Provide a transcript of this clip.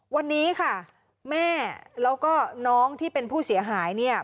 วันนี้ค่ะแม่แล้วก็น้องที่เป็นผู้เสียหายเนี่ย